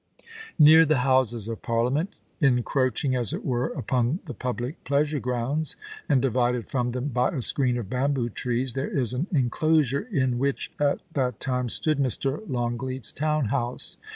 Near the Houses of Parliament, encroaching, as it were, upon the public pleasure grounds, and divided from them by a screen of bamboo trees, there is an enclosure in which at that time stood Mr. Longleat's town house.